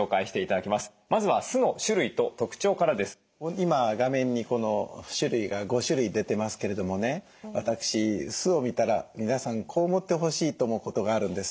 今画面に種類が５種類出てますけれどもね私酢を見たら皆さんこう思ってほしいと思うことがあるんです。